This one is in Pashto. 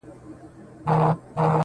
پر لویو غرو د خدای نظر دی؛